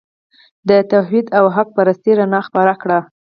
د توحید او حق پرستۍ رڼا خپره کړه.